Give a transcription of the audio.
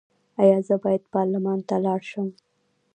ایا زه باید پارلمان ته لاړ شم؟